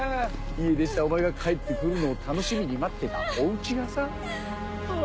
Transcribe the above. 家出したお前が帰って来るのを楽しみに待ってたお家がさあ